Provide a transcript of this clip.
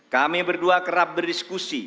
kami berdua kerap berdiskusi